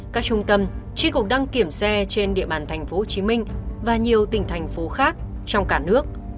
các trung tâm tri cục đăng kiểm xe trên địa bàn tp hcm và nhiều tỉnh thành phố khác trong cả nước